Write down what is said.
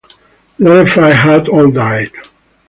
The other five had all died.